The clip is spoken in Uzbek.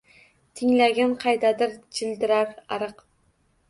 Tinglagin qaydadir jildirar ariq